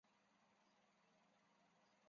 驼石鳖属为石鳖目石鳖科下的一个属。